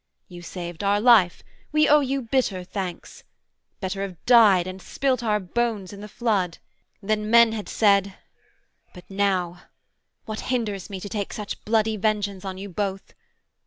You saved our life: we owe you bitter thanks: Better have died and spilt our bones in the flood Then men had said but now What hinders me To take such bloody vengeance on you both?